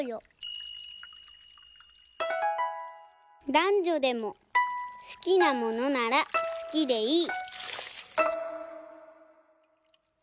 「だんじょでも好きなものなら好きでいい」。